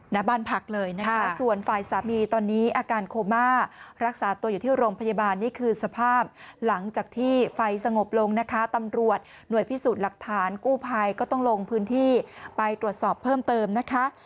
หน้าบ้านพักเลยนะคะส่วนฝ่ายสามีตอนนี้อาการโคม่ารักษาตัวอยู่ที่โรงพยาบาลนี่คือสภาพหลังจากที่ไฟสงบลงนะคะตำรวจหน่วยพิสูจน์หลักฐานกู้ภัยก็ต้องลงพื้นที่ไปตรวจสอบเพิ่มเติมนะคะ